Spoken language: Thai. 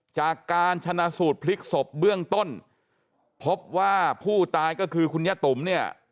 จากการชนะสูตรพลิกศพเบื้องต้นพบว่าผู้ตายก็คือคุณยะตุ๋มเนี่ย